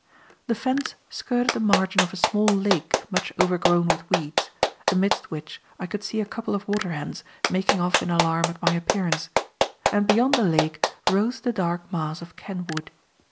The fence skirted the margin of a small lake much overgrown with weeds, amidst which I could see a couple of waterhens making off in alarm at my appearance, and beyond the lake rose the dark mass of Ken Wood.